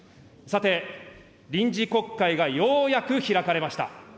さて、臨時国会がようやく開かれました。